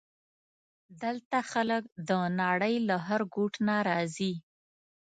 دلته خلک د نړۍ له هر ګوټ نه راځي.